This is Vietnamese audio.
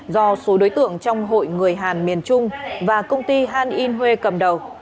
do số đối tượng trong hội người hàn miền trung và công ty han in huê cầm đầu